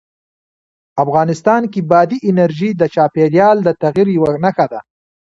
افغانستان کې بادي انرژي د چاپېریال د تغیر یوه نښه ده.